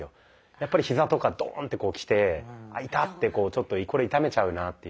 やっぱりヒザとかドンってきて「あっ痛」ってちょっとこれ痛めちゃうなっていう